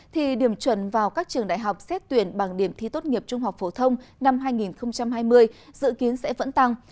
thì điểm chuẩn vào các trường đại học xét tuyển bằng điểm thi tốt nghiệp trung học phổ thông năm hai nghìn hai mươi dự kiến sẽ vẫn tăng